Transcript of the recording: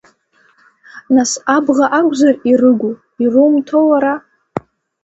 Нас абӷа акәзар ирыгу, ирумҭо уара.